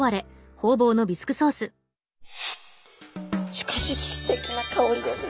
しかしすてきな香りですね。